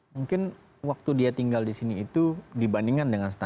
mungkin waktu dia tinggal di sini itu dibandingkan dengan stunting